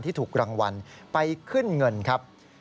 ถูกรางวัลไปขึ้นเงินครับ